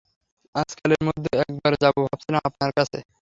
আজকালের মধ্যে একবার যাব ভাবছিলাম আপনার কাছে।